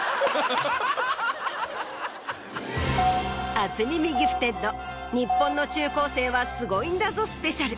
「初耳ギフテッド日本の中高生はスゴイんだぞスペシャル」。